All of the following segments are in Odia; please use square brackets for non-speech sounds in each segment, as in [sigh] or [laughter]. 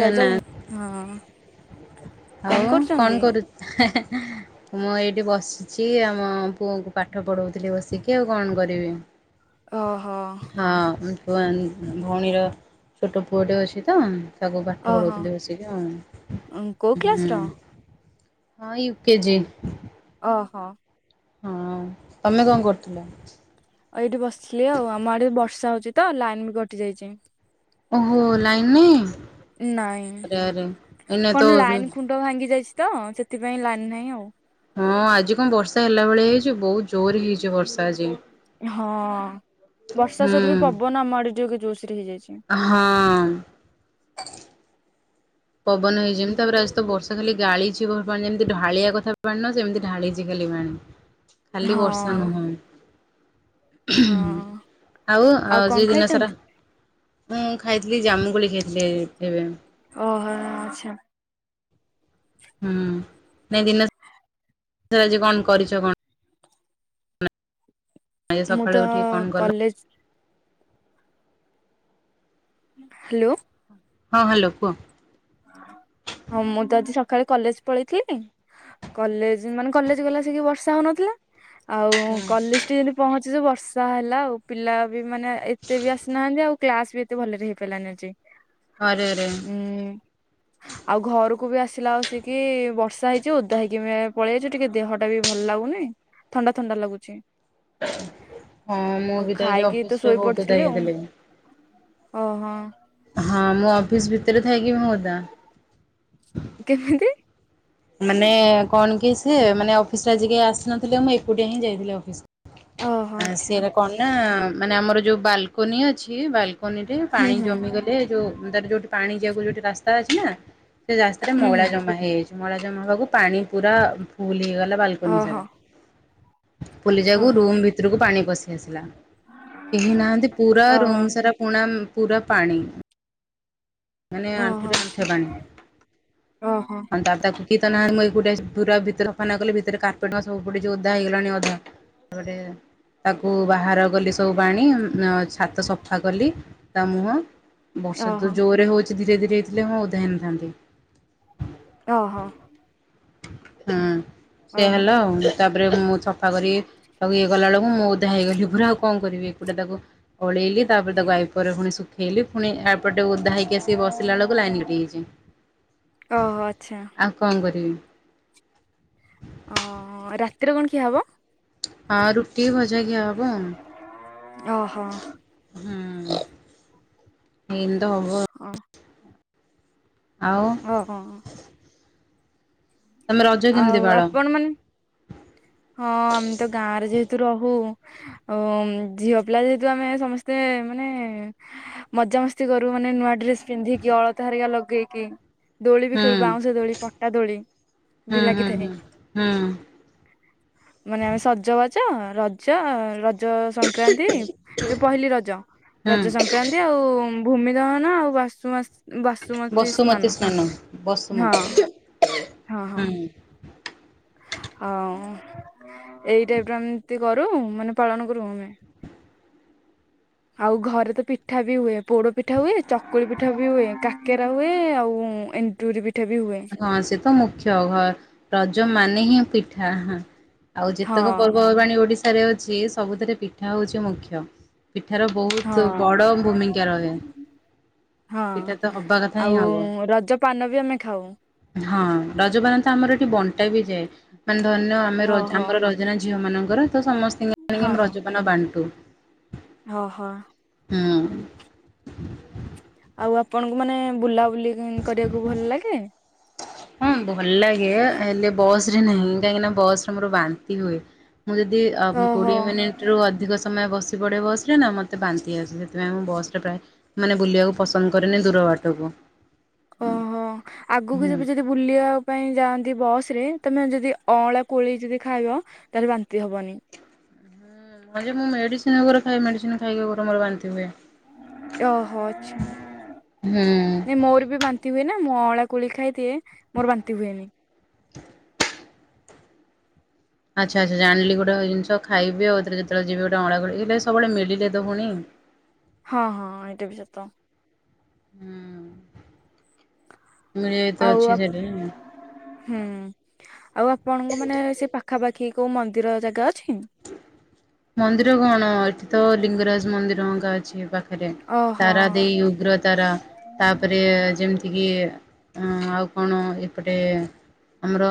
ଜୟ ଜଗନା ହଁ। ହଉ କଣ କରୁ ମୁଁ ଏଇଟି ବସିଚି ଆମ ପୁଅ କ ପାଠ ପଢଉଥିଲି ବସିକି ଆଉ କଣ କରିବି। ଓ ହୋ। ହଁଛୁଆ ଭଉଣୀର ଛୋଟ ପୁଅଟେ ଅଛି ତ। ତାକୁ ପାଠ ପଢ଼ଉଥିଲି ବସିକି ହଁ। ଉଁ ହୁଁ ହଁ ୟୁକେଜି। ଓହୋ। ହଁ ତମେ କଣ କରୁଥିଲ। ଆଉ ଏଇଟି ବସଥିଲି ଆଉ ଆମ ଆଡେ ବର୍ଷା ହୋଉଚି ତ ଲାଇନ୍ କଟି ଯାଇଚି। ଓହୋ ଲାଇନ ନାହିଁ ନାଇଁ ଅରେ ଆରେ ଏନା ତ ଗୋଡ ଭାଙ୍ଗି ଯାଇଚି ତ ସେଥିପାଇଁ ଲାନି ନାହିଁ ଆଉ। ହଁ ଆଜି କଣ ବର୍ଷା ହେଲା ଭଳିଆ ହେଇଚି ବୋହୁତ ଜୋରେ ହେଇଚି ବର୍ଷା ଆଜି। ହଁ ବର୍ଷା ହୁଁ ସଇତ ବି ପବନ ଆମ ଆଡେ ଟିକେ ଜୋରସରେ ହେଇଯାଇଚି। ହଁ। ପବନ ହେଇଯେମତି ତାପରେ ଆସ ତ ବର୍ଷା ଖାଲି ଗାଳିଚିପାଣି ଯେମିତି ଢାଳିଆ କଥା ପାଣିିନ ସେମିତି ଢାଳିଚି ଖାଲି ପାଣି। ଖାଲି ବର୍ଷା ହଁ ନୁହଁ। ହଁ ଆଉ ଆଉ କଣ ଦିନ ସାରା ଖାଇଛନ୍ତି? ମୁଁ ଖାଇଥିଲି ଜାମୁ କୋଳି ଖାଇଥିଲି ଏବେ। ଓହୋ ଆଚ୍ଛା। ହୁଁ ନାଇଁ ଦିନ ଆଜି କଣ କରିଚ କଣ। ଆଜି ମୁଁ ସକାଳୁ ତ ଉଠିକି କଣ କଲ କଲେଜ୍ ହ୍ୟାଲୋ। ହଁ ହ୍ୟାଲୋ କୁହ। ହଁ ମୁଁ ତ ଆଜି ସକାଳେ କଲେଜ ପଳେଇଥିଲି। କଲେଜ ମାନେ କଲେଜ ଗଲା ସେ ବର୍ଷା ହୋଉନଥିଲା ଆଉ କଲେଜ ପହଞ୍ଚିଛ ବର୍ଷା ହେଲା ଆଉ ପିଲା ବି ମାନେ ଏତେ ବି ଆସିନାହାନ୍ତି ଆଉ କ୍ଲାସ ବି ଏତେ ଭଲରେ ହେଇପାରିଲାନି ଆଜି। ଆରେ ଆରେ। ଉଁ ଆଉ ଘରକୁ ବି ଆସିଲା ଆଉ ସ କି ବର୍ଷା ହେଇଚି ଓଦା ହେଇକି ପଳେଇଆଇଚୁ ଟିକେ ଦେହ ଟା ବି ଭଲ ଲାଗୁନି ଥଣ୍ଡା ଥଣ୍ଡା ଲାଗୁଚି। ହଁ ମୁଁ ଆଉ ବି ତ ଆଜି ଖାଇକି ତ ଅଫିସରେ ବହୁତ ଓଦା ଶୋଇପଡିଥିଲି ଆଉ। ହେଇଯାଇଥିଲି ଓହୋ। ହଁ ମୁଁ ଅଫିସ ଭିତରେ ଥାଇକି ହ ମୁ ଓଦା। କେମିତି। ମାନେ କଣ କି ସେ ମାନେ ଅଫିସ ଆଜିି କେହି ଆସିନଥିଲେ ମୁଁ ଏକୁଟିଆ ହିଁ ଯାଇଥିଲି ଅଫିସକୁ। ଓହୋ ଆଚ୍ଛା ସେରା କଣ ନା ମାନେ ଆମର ଯୋଉ ବାଲକନି ଅଛି ବାଲକ ନିରେ ହୁଁ ପାଣି ହୁଁ ଜମିଗଲେ ଯୋଉ ତାର ଯୋଉଟି ପାଣି ଯିବାକୁ ଯୋଉଠି ରାସ୍ତା ଅଛି ନା ସେ ରାସ୍ତାରେ ହୁଁ ହୁଁ ମଇଳା ଜମା ହେଇଯାଇଚି ମଇଳା ଜମା ହେବାକୁ ପାଣି ପୁରା ଫୁଲ ହେଇଗଲା ବାଲକୋନି ଓହୋ ସାରା। ଫୁଲିଯାକୁ ଓହୋ ରୁମ୍ ଭିତରକୁ ପାଣି ପଶି ଆସିଲା। କେହି ନାହାନ୍ତି ପୁରା ଓହୋ ରୁମ ସାରା ପୁଣା ପୁରା ପାଣି। ମାନେ ଓହୋ ଆଣ୍ଠୁରେ ଆଚ୍ଛା ଆଣ୍ଠୁଏ ପାଣି ଓହୋ ଆଉ ତା ତାକୁ କେହି ତ ନାହାନ୍ତି ମୁଁ ଏକୁଟିଆ ପୁରା ଭିତରେ ସଫାନ କଲେ ଭିତରେ କାର୍ପେଟ ସବୁ ଓଧା ହେଇଗଲାଣି ଅଧା। ତାପରେ। ତାକୁ ବାହାର କଲି ସବୁ ପାଣି ଛାତ ସଫା କଲି ତା ମୁହଁ। ବର୍ଷା ଓହୋ ତ ଜୋରେ ହୋଉଚି ଧୀରେ ଧୀରେ ହେଇଥିଲେ ମୁ ଓଧା ହେଇନଥାନ୍ତି। ଅହ। ହୁଁ ସେୟା ଓହୋ ହେଲା ଆଉ ତାପରେ ମୁଁ ସଫା କରି ତାକୁ ଇଏ କଲାବେଳକୁ ମୁଁ ଓଧା ହେଇଗଲି ପୁରା ଆଉ କଣ କରିବି ଏକୁଟିଆ ତାକୁ ଉଳେଇଲି ତାପରେ ତାକୁ ୱାଇପରରେ ପୁଣି ଶୁଖେଇଲି ପୁଣି ଏପଟେ ଓଦା ହେଇକି ଆସିକି ବସିଲା ବେଳକୁ ଲାଇନ୍ କଟି ଯାଇଛି ଓହୋ ଆଚ୍ଛା ଆଉ କଣ କରିବି? ଓ ରାତିରେ କଣ ଖିଆ ହବ? ହଁ ରୁଟି ଭଜା ଖିଆହେବ। ଓହୋ ହଁ ଏନ ତ ହବ। ଅ। ଆଉ ଓହୋ। ତମେ ରଜ କେମିତି ଆଉ ପାଳ? ଆପଣ ମାନେ ହଁ ଆମେ ତ ଗାଁରେ ଯେହେତୁ ରହୁ। ଅ ଝିଅ ପିଲା ଯେହେତୁ ଆମେ ସମସ୍ତେ ମାନେ ମଜାମସ୍ତି କରୁ ମାନେ ନୂଆ ଡ୍ରେସ ପିନ୍ଧିକି ଅଳତା ହାରିକା ଲଗେଇକି। ଦୋଳି ବି ହୁଁ ଖେଳୁ ବାଉଁଶ ଦୋଳି ପଟା ଦୋଳି ହୁଁ ବି ହୁଁ ହୁଁ ଲାଗିଥାଏ। ହୁଁ ମାନେ ଆମେ ସଜବାଜ ରଜ ର ରଜ ସଂକ୍ରାନ୍ତି ପହିଲି ରଜ ହୁଁ ରଜ ସଂକ୍ରା ଆଉ ଭୂମି ଦହନ ଆଉ ବାସୁମତି ବସୁମତୀ ସ୍ନାନ ହଁ ବସୁମତୀ ହଁ ହଁ ହୁଁ। ଆଉ ଏଇ ଟାଇପର ଏମତି କରୁ ମାନେ ପାଳନ କରୁ ଆମେ ଆଉ ଘରେ ତ ପିଠା ବି ହୁଏ ପୋଡ ପିଠା ହୁଏ ଚକୁଳି ପିଠା ବି ହୁଏ କାକେରା ହୁଏ ଆଉ ଏଣ୍ଡୁରି ପିଠା ବି ହୁଏ। ହଁ ସେ ତ ମୁଖ୍ୟ ଘ ରଜ ମାନେ ହିଁ ପିଠା। ଆଉ ହଁ ଯେତେକ ପର୍ବପର୍ବାଣୀ ଓଡିଶାରେ ଅଛି ସବୁଥିରେ ପିଠା ହଉଛି ମୁଖ୍ୟ। ପିଠାର ହଁ। ବହୁତ ବଡ ଭୂମିକା ରହେ। ହଁ ପଠା ତ ହବା କଥା ଆଉ ହିଁ ହବ। ରଜ ପାନ ବି ଆମେ ଖାଉ। ହଁ ରଜପାନ ତ ଆମର ଏଠି ବଣ୍ଟା ବି ଯାଏ ମାନେ ଧରି ନିଅ ଆମେ ରଜ ଓହୋ ଆମର ଝିଅ ମାନଙ୍କର ତ ସମସ୍ତ ହଁ ଆମେ ହଁ। ରଜପାନ ବାଣ୍ଟୁ। ଓହୋ। ହୁଁ। ଆଉ ଆପଣଙ୍କୁ ମାନେ ବୁଲାବୁଲି କରିବାକୁ ଭଲ ଲାଗେ? ହଁ ଭଲ ଲାଗେ ହେଲେ ବସରେ ନାହିଁ କାହିଁକିନା ବସରେ ମୋର ବାନ୍ତି ହୁଏ। ମୁଁ ଯଦି ଓହୋ କୋଡ଼ିଏ ମିନିଟରୁ ଅଧିକ ସମୟ ବସି ପଡ଼େ ବସରେ ନା ମୋତେ ବାନ୍ତି ଆସିଯାଏ। ସେଥିପାଇଁ ମୁଁ ବସରେ ପ୍ରାୟ ମାନେ ବୁଲିବାକୁ ପସନ୍ଦ କରେନି ଦୂର ବାଟକୁ। ଓହୋ ଆଗକୁ ହୁଁ। ଯିବି ଯଦି ବୁଲିବା ପାଇଁ ଯାଆନ୍ତି ବସରେ ତୁମେ ଯଦି ଅଁଳା କୋଳି ଯଦି ଖାଇବ ତାଲେ ବାନ୍ତି ହବନି। ହଁ ଯେ ମୁଁ ମେଡିସିନ ଗୁରା ଖାଏ ମେଡିସିନ ଖାଇକି ମୋର ବାନ୍ତି ହୁଏ। ଓହୋଛା ହୁଁ। ନାଇଁ ମୋର ବି ବାନ୍ତ ବାନ୍ତି ହୁଏ ନା ମୁଁ ଅଁଳା କୋଳି ଖାଇଦିଏ ମୋର ବାନ୍ତି ହୁଏନି। ଆଚ୍ଛା ଆଚ୍ଛା ଜାଣିଲି ଗୋଟେ ଜିନିଷ ଖାଇବି ଆଉଥରେ ଯେତେବେଳେ ଯିବି ଗୋଟେ ଅଁଳା ସେତେବେଳେ ମିଳିଲେ ତ ପୁଣି। ହଁ ହଁ ଏଇଟା ବି ସତ। ହୁଁ ମିଳିିବ ତ ଆଉ ଅଛି ଆପ ସେଟା। ହୁଁ ଆଉ ଆପଣଙ୍କ ମାନେ ସେ ପାଖାପାଖି କୋଉ ମନ୍ଦିର ଜାଗା ଅଛି? ମନ୍ଦିର କଣ ଏଠି ତ ଲିଙ୍ଗରାଜ ମନ୍ଦିର ଅଙ୍କା ଅଛି ପାଖ ରେ ଓହୋ ତାରା ଦେଇ ଉଗ୍ର ତାରା। ତାପରେ ଯେମିତିକି ଆଉ କଣ ଏପଟେ? ଆମର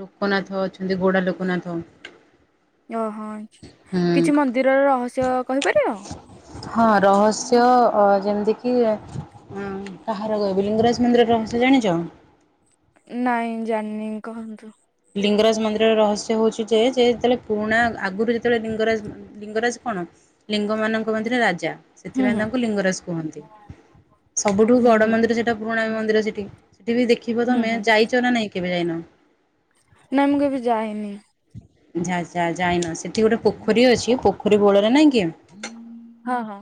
ଲୋକନାଥ ଅଛନ୍ତି ଗୋଡ଼ା ଲୋକନାଥ। ଓହୋ ହୁଁ କିଛି ମନ୍ଦିରର ରହସ୍ୟ କହିପାରିବ? ହଁ ରହସ୍ୟ ଯେମିତିକି ହଁ କାହାର କହିବି ଲିଙ୍ଗରାଜ ମନ୍ଦିର ରହସ୍ୟ ଜାଣିଛ? ନାଇଁ ଜାଣିନି କୁହନ୍ତୁ। ଲିଙ୍ଗରାଜ ମନ୍ଦିରର ରହସ୍ୟ ହଉଛି ଯେ ଯେତେବେଳେ ପୁରୁଣା ଆଗରୁ ଯେତେବେଳେ ଲିଙ୍ଗରାଜ ଲିଙ୍ଗରାଜ କଣ ଲିଙ୍ଗ ମାନଙ୍କ ମଧ୍ୟରେ ରାଜା? ହୁଁ ସେଥିପାଇଁ ହୁଁ ତାଙ୍କୁ ଲିଙ୍ଗରାଜ କୁହନ୍ତି। ସବୁଠୁ ହୁଁ ବଡ ହୁଁ ମନ୍ଦିର ସେଟା ପୁରୁଣା ମନ୍ଦିର ସେଠି। ସେଠି ବି ଦେଖିବ ହୁଁ ତମେ ହୁଁ ଯାଇଛ ନା ନାଇଁ କେବେ ଯାଇନ? ନାଇ ମୁଁ କେବେ ଯାଇନି। ଯା ଯାହା ଯାଇନା ସେଠି ଗୋଟେ ପୋଖରୀ ଅଛି ପୋଖରୀ ବୋଳରେ ନାଇଁ କି ହଁ ହଁ।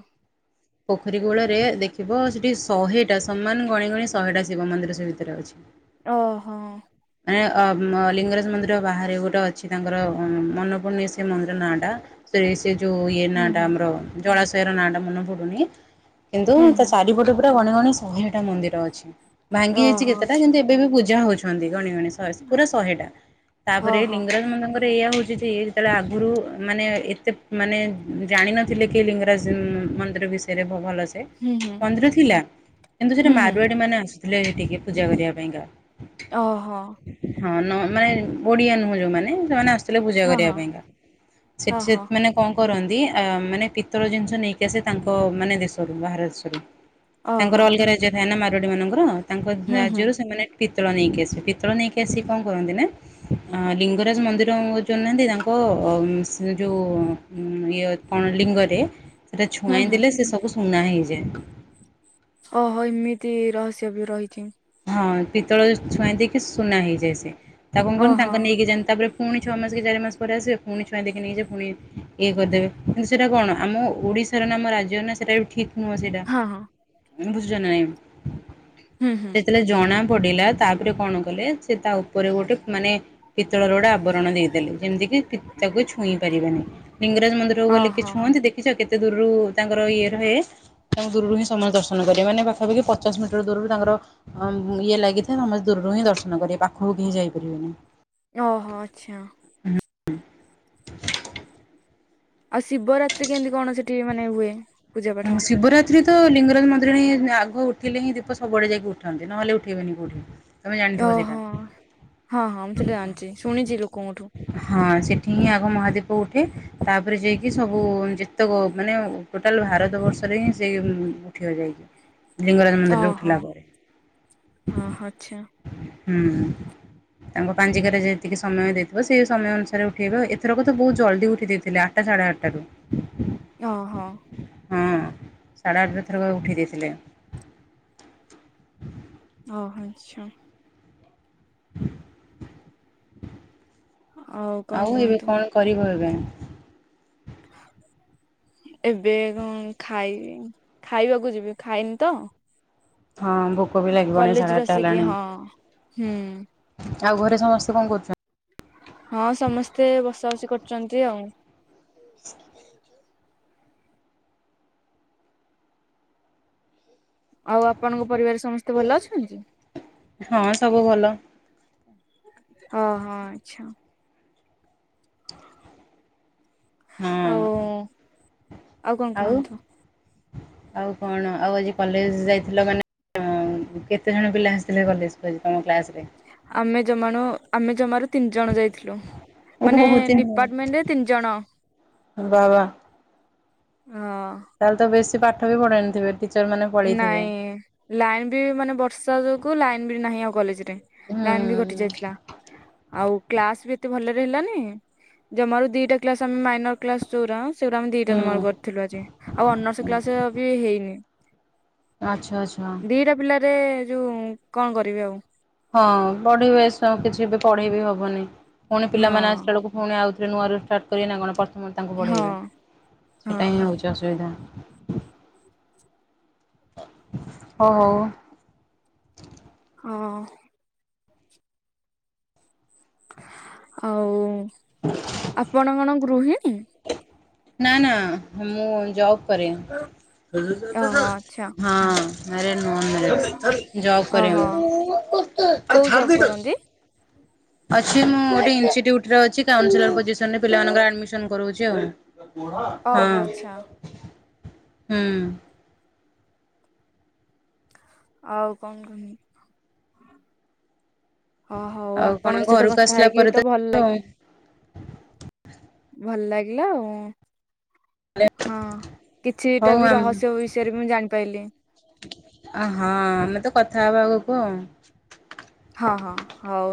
ପୋଖରୀ କୂଳରେ ଦେଖିବ ସେଠି ଶହେଟା ସମାନ ଗଣି ଗଣି ଶହେଟା ଶିବ ମନ୍ଦିର ସେ ଭିତରେ ଅଛି। ଓହୋ ମାନେ ଲିଙ୍ଗରାଜ ମନ୍ଦିର ବାହାରେ ଗୋଟେ ଅଛି ତାଙ୍କର ମନେ ପଡୁନି ସେ ମନ୍ଦିର ନାଁଟା ନାଇଁ ସିଏ। ଯୋଉ ଇଏ ନାଁ ହୁଁ ଟା ହୁଁ ଆମର ଜଳାଶୟର ନାଁ ଟା ମନେ ପଡୁନି, କିନ୍ତୁ ହୁଁ ତା ହୁଁ ଚାରି ପଟେ ଟ ଗଣା ଗଣି ଶହେ ଟା ମନ୍ଦିର ଅଛି। ଭାଙ୍ଗି ଯାଇଛି ଓହୋ କେତେଟା ଆଚ୍ଛା କିନ୍ତୁ ଏବେ ବି ପୂଜା ହଉଛନ୍ତି ଗଣି ଗଣି। ପୁରା ଶହେ ଟା ତାପରେ ଓହୋ ଲିଙ୍ଗରାଜ ମନ୍ଦିରଙ୍କ ଇ ହଉଛି ଯେ ଯେତେବେଳେ ଆଗରୁ ମାନେ ଏତେ ମାନେ ଜାଣି ନଥିଲେ କି ଲିଙ୍ଗରାଜ ବିଷୟରେ ଭଲ ସେ ହୁଁ ହୁଁ ମନ୍ଦିର ଥିଲା, କିନ୍ତୁ ସେଠି ହୁଁ ହୁଁ ମାରୁଆଡି ମାନେ ଆସ ଥିଲେ ଟିକେ ପୂଜା କରିବା ପାଇଁକା। ଓହୋ। ହଁ ନହେଲେ ନାଇଁ ଓଡ଼ିଆ ନୁହଁ ଯୋଉମାନେ ସେମାନେ ଆସ ପୂଜା ହଁ କରିବା ହଁ ପାଇଁକା ହଁ ସେଠି ସେ ହଁ ମାନେ। କଣ କରନ୍ତି, ମାନେ ପିତିତର ଜିନିଷ ନେଇକି ଆସେ ତାଙ୍କ ମାନେ ଦେଶରୁ ବାହାର ଦେଶରୁ। ତାଙ୍କର ଓହୋ ଅଲଗା ରାଜ୍ୟ ଥାଏ ନା ମାରୁଆଡି ମାନଙ୍କର ତାଙ୍କ ହୁଁ ହୁଁ ରାଜ୍ୟରୁ ସେମାନେ। ପିତଳ ନେଇକି ଆସି ପିତଳ ନେଇକି ଆସି କଣ କରନ୍ତି ନା ଅ ଲିଙ୍ଗରାଜ ମନ୍ଦିର ଯୋଉ ନାହାନ୍ତି। ତାଙ୍କ ଯୋଉ ଇଏ କଣ ଲିଙ୍ଗରେ ସେଟା ହୁଁ ଛୁଆଇଁ ହୁଁ ଦେଲେ ସେ ସବୁ ସୁନା ହେଇଯାଏ। ଓହୋ ଏମିତି ରହସ୍ୟ ବି ରହିଛି। ହଁ ପିତଳ ଛୁଆଇଁ ଦେଇକି ସୁନା ହେଇଯାଏ ସେ ତାକୁ କଣ କରହନି ଓହୋ ତାଙ୍କ ନେଇକି ଯା ତାପରେ। ପୁଣି ଛଅ ମାସେ କି ଚାରି ମାସ ପରେ ଆସିବ ପୁଣି ଛୁଆଁ ଦେଇକି ନେଇଯିବେ ପୁଣି ଇଏ କରିଦେବେ କିନ୍ତୁ ସେଇଟା କଣ ଆମ ଓଡ଼ିଶା ର ନାମ ରାଜ୍ୟ ନା ସେଟା ବି ଠିକ ନୁହଁ ସେଇଟା ହଁ ହଁ ବୁଝୁଛ ନା ନାହିଁ। ହୁଁ। ହୁଁ ଯେତେବେଳେ ଜଣା ପଡିଲା ତାପରେ କଣ କଲେ ସେ ତା ଉପରେ ଗୋଟେ ମାନେ ପିତଳର ଗୋଟେ ଆବରଣ ଦେଇଦେଲେ ଯେମିତି କିି ତାକୁ କେହି ଛୁଇଁ ପାରିବେନି। ଲିଙ୍ଗରାଜ ମନ୍ଦିରକୁ ଗଲେ ଓହୋ କେହି ଛୁଅନ୍ତି ଦେଖିଛ କେତେ ଦୂରରୁ ତାଙ୍କର ଇଏ ରହେ। ତାଙ୍କୁ ଦୂରରୁ ହିଁ ସମସ୍ତେ ଦର୍ଶନ କରିବେ। ମାନେ ପାଖପାଖି ପଚାଶ ମିଟର ଦୂରରୁ ତାଙ୍କର ଇଏ ଲାଗିଥାଏ ସମସ୍ତେ ଦୂରରୁ ହିଁ ଦର୍ଶନ କରିବେ ପାଖକୁ କେହି ଯାଇପାରିବେନି। ଓହୋ ଆଚ୍ଛା। ଆଉ ଶିବରାତ୍ରି କେମିତି କଣ ସେଠି ମାନେ ହୁଏ? ପୂଜା ପାଠ ଶିବରାତ୍ରି ତ ଲିଙ୍ଗରାଜ ମନ୍ଦିର ହିଁ ଆଗ ଉ ଥିଲେ ହିଁ ଦୀପ ସବୁବେଳେ ଯାଇକ ଉଠନ୍ତି ନହେଲେ ଉଠେଇବେନି କୋଉଠି। ତମେ ଜାଣିଥିବ ସେଇଟା। ଓହୋ ହଁ ହଁ ମୁଁ ସେଟା ଜାଣିଛି ଶୁଣିଛି ଲୋକଙ୍କଠୁ। ହଁ ସେଠି ହିଁ ଆଗ ମହାଦୀପ ଉଠେ ତାପରେ ଯାଇକି ସବୁ ଯେତେକ ମାନେ ଟୋଟାଲ ଭାରତ ଭାରତ ବର୍ଷରେ ହିଁ ସେ ଉଠିବା ଯାଇକି। ଲିଙ୍ଗରାଜ ମନ୍ଦିରରେ ଓହୋ ଉଠିଲା ପରେ ଓହୋ ଆଚ୍ଛା ହୁଁ। ତାଙ୍କ ପାଞ୍ଜିକାରେ ଯେତିକି ସମୟ ଦେଇଥିବ ସେଇ ସମୟ ଅନୁସାରେ ଉଠେଇବ। ଏଥରକ ତ ବହୁତ ଜଲ୍ଦି ଉଠି ଦେଇଥିଲା। ଆଠଟା ସାଢେ ଆଠଟା ରୁ। ହଁ ହଁ ହଁ ସାଢ଼େ ଆଠଟା ଏଥରକ ଉଠେଇ ଦେଇଥିଲେ। ଓ ଆଚ୍ଛା। କଣ ଆଉ ଏବେ କୁହନ୍ତୁ କଣ କରିବ ଏବେ? ଏବେ ମୁଁ ଖାଇବି ଖାଇବାକୁ ଯିବି ଖାଇନି ତ। ହଁ ଭୋକ ବି ଲାଗିବଣି ସାଢ଼େ କଲେଜରୁ ଆଟା ଆସିକି ହେଲାଣି। ହଁ ହୁଁ ଆଉ ଘରେ ସମସ୍ତେ କଣ କରୁଚନ୍ ହଁ ସମସ୍ତେ ବସା ବସି କରୁଚନ୍ତି ଆଉ। ଆଉ ଆପଣଙ୍କ ପରିବାରରେ ସମସ୍ତେ ଭଲ ଅଛନ୍ତି। ହଁ ସବୁ ଭଲ। ଓ ହୋ ଆଛା। ହଁ ଆଉ କଣ ଆଉ କୁହନ୍ତୁ? ଆଉ କଣ ଆଉ ଆଜି କଲେଜ ଯାଇଥିଲ ମାନେ ଉଁ କେତେ ଜଣ ପିଲା ଆସିଥିଲେ କଲେଜକୁ ଆଜି ତମ କ୍ଲାସରେ। ଆମେ ଜମାଣୁ ଆମେ ଜମାରୁ ତିନି ଜଣ ଯାଇଥିଲୁ। ମାନେ ଓହୋ ଡିପାର୍ଟମେଣ୍ଟ ରେ ତିନି ଜଣ। ବା ବା। ହଁ। ତାହେଲେ ତ ବେଶୀ ପାଠ ବି ପଢେଇ ନଥିବେ। ନାଇଁ ଲାଇନ୍ ବି ମାନେ ବର୍ଷା ଯୋଗୁଁ ଲାଇନ ବି ନାହିଁ ଆଉ କଲେଜର୍ ଟେ ହୁଁ ଲାଇନ୍ ବି କଟି ଯାଇଥିଲା ଆଉ କ୍ଲାସ ବି ଏତେ ଭଲରେ ହେଲାନି। ଜମାରୁ ଦିଟା କ୍ଲାସ ଆମେ ମାଇନର କ୍ଲାସ ଯୋଉରା ସେଉରା ଆମେ ଦିଟା ହୁଁ। ଜମାରୁ କଲ ଥିଲୁ ଆଜି ଆଉ ଅନର୍ସ କ୍ଲାସ ବି ହେଇନି। ଆଚ୍ଛା ଆଛା। [unintelligible] ପିଲାରେ ଯୋଉ କଣ କରିବି ଆଉ। ହଁ ପଢିବେଶ କିଛି ବି ପଢେଇ ବିି ହବନି ପୁଣି ହଁ ପିଲାମାନେ ଆସିଲା ବେଳକୁ ପୁଣି ଆଉଥରେ ନୂଆରୁ ଷ୍ଟାର୍ଟ କରିବେନା କଣ ପ୍ରଥମରୁ ତାଙ୍କୁ ହଁ ପଢ଼ାଇବେ ହଁ ସେଇଟା ହିଁ ହଉଚି ଅସୁବିଧା। ଓ ହଉ। ହଁ ହଁ ହଁ। ଆଉ ଆପଣ କଣ ଗୃହିଣୀ? ନା ନା ମୁଁ ଜବ୍ କରେ। ଓହୋ ଆଚ୍ଛା ହଁ ମ୍ୟାରେଡ ନୁହଁ ଅନମ୍ୟାରେଡ୍ ଓହୋ ଜବ କରେ କୋଉ ଜବ୍ ମୁଁ। କରନ୍ତି? ଅଛି ମୁଁ ଗୋଟେ ଏନ୍ସି ଡିଉଟି ରେ ଅଛି କାଉଁସିଲର ପୋଜିସନରେ ପିଲାମାନଙ୍କର ଆଡ଼ମିସନ କରଚି ଆଉ। ହଁ ଓହୋ ଆଚ୍ଛା ହୁଁ। ଆଉ କନ [unintelligible] ଅ ହଉ ଆଉ କଣ ଆପଣଙ୍କ ସହିତ ଘରକୁ କଥା ଆସିଲା ହେଇକି ପରେ ତ ଭଲ ଲାଗ ଭଲ ଲାଗିଲା ଆଉ। ହଁ ହଉ କିଛିଟା ବି ରହସ୍ୟ ବିଷୟରେବି ମୁଁ ଜାଣିପାରିଲି। ଅ ହଁ ଆମେ ତ କଥା ହବା ଆଗକୁ ଆଉ। ହଁ ହଁ ହଉ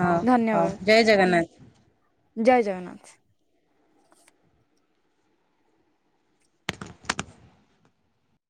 ହଉ ହଉ ଧନ୍ୟବାଦ। ଜୟ ଜଗନ୍ନାଥ। ଜୟ ଜଗନ୍ନାଥ।